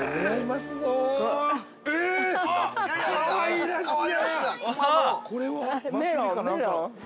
かわいらしいな。